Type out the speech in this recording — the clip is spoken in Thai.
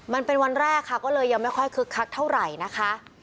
มันเป็นวันแรกค่ะก็เลยยังไม่ค่อยคึกคักเท่าไหร่นะคะ